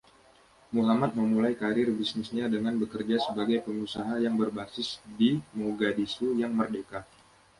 Muhammad memulai karier bisnisnya dengan bekerja sebagai pengusaha yang berbasis di Mogadishu yang merdeka.